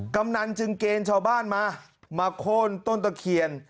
กำนันจึงเกณฑ์ชาวบ้านมามาโค้นต้นตะเคียน